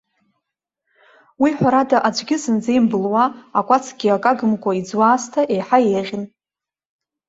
Уи ҳәарада, аҵәгьы зынӡа имбылуа, акәацгьы акы агымкәа иӡуа аасҭа еиҳа еиӷьын.